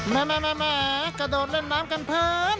แม่กระโดดเล่นน้ำกันเพลิน